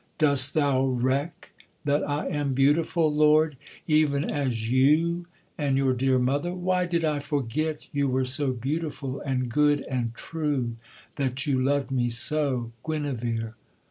dost thou reck That I am beautiful, Lord, even as you And your dear mother? why did I forget You were so beautiful, and good, and true, That you loved me so, Guenevere?